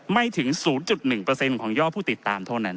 ไม่ถึง๐๑ของยอดผู้ติดตามเท่านั้น